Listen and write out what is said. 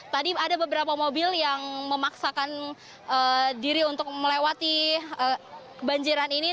tadi ada beberapa mobil yang memaksakan diri untuk melewati banjiran ini